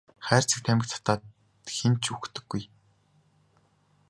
Хайрцаг тамхи татаад хэн ч үхдэггүй.